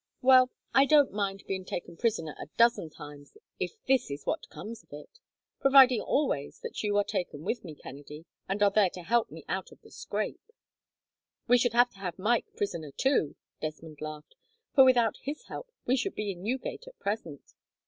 Well, I don't mind being taken prisoner a dozen times if this is what comes of it, providing always that you are taken with me, Kennedy, and are there to help me out of the scrape." "We should have to have Mike prisoner, too," Desmond laughed, "for without his help we should be in Newgate at present."